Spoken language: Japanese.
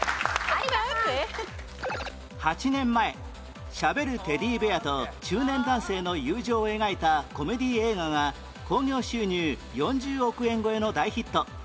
８年前しゃべるテディベアと中年男性の友情を描いたコメディー映画が興業収入４０億円超えの大ヒット